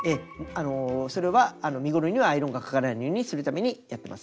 それは身ごろにはアイロンがかからないようにするためにやってます。